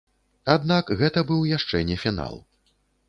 Аднак гэта быў яшчэ не фінал.